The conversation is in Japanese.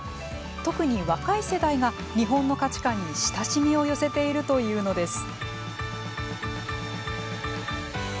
特に若い世代が日本の価値観に親しみを寄せているというのです。